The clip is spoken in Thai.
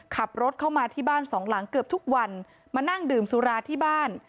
ขับรถเข้ามาที่บ้านสองหลังเกือบทุกวันมานั่งดื่มสุราที่บ้าน